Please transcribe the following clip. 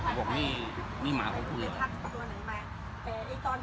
ผมบอกนี่นี่หมาของผมอย่างงี้